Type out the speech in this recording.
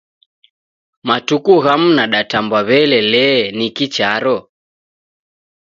Matuku ghamu nadatambwa w'ele lee niki charo.